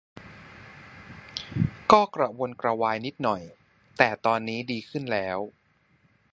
ก็กระวนกระวายนิดหน่อย แต่ตอนนี้ดีขึ้นแล้ว